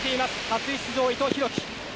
初出場、伊藤洋輝。